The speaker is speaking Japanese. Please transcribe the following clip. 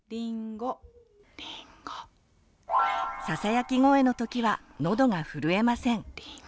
ささやき声のときはのどが震えません。